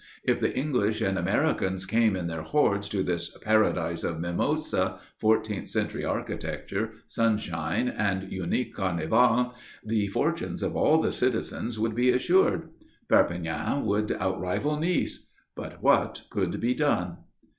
If the English and Americans came in their hordes to this paradise of mimosa, fourteenth century architecture, sunshine and unique Carnival, the fortunes of all the citizens would be assured. Perpignan would out rival Nice. But what could be done?